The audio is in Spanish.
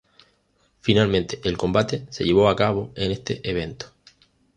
Finalmente, el combate se llevó a cabo en este evento.